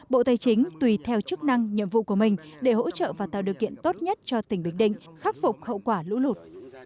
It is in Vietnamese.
bộ tài chính tùy theo chức năng nhiệm vụ của mình để hỗ trợ và tạo điều kiện tốt nhất cho tỉnh bình định khắc phục hậu quả lũ lụt